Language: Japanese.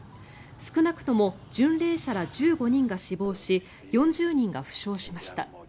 少なくとも巡礼者ら１５人が死亡し４０人が負傷しました。